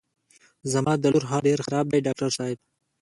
زما د لور حال ډېر خراب دی ډاکټر صاحب.